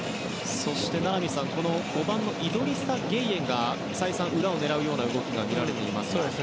そして、名波さん５番のイドリサ・ゲイエが再三裏を狙う動きが見られています。